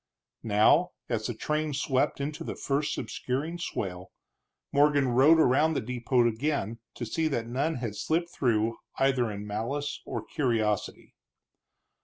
Now, as the train swept into the first obscuring swale, Morgan rode around the depot again to see that none had slipped through either in malice or curiosity.